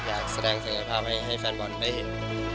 อยากแสดงศักยภาพให้แฟนบอลได้เห็น